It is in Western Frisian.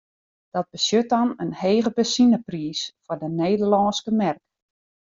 Dat betsjut dan in hege benzinepriis foar de Nederlânske merk.